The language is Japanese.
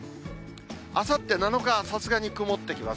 あさって７日、さすがに曇ってきます。